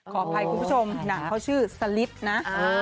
ขออภัยคุณผู้ชมเขาชื่อสลิปนะ